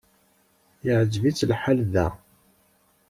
Yeɛjeb-itt lḥal da.